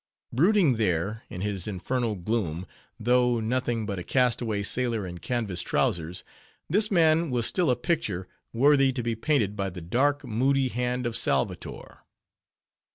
Brooding there, in his infernal gloom, though nothing but a castaway sailor in canvas trowsers, this man was still a picture, worthy to be painted by the dark, moody hand of Salvator.